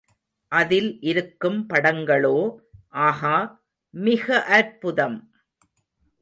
அதில் இருக்கும் படங்களோ ஆஹா, மிக அற்புதம்!